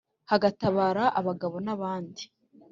hagatabara abagabo n'abandi